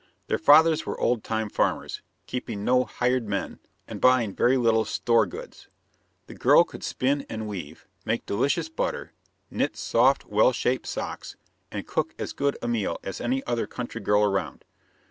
Their fathers were old time farmers, keeping no "hired man" and buying very little "store goods." The girl could spin and weave, make delicious butter, knit soft, well shaped socks, and cook as good a meal as any other country girl around.